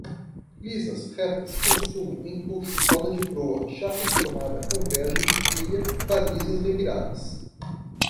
lisas, retas, consumo, empuxo, roda de proa, chapa enformada, convergem, quilha, balizas reviradas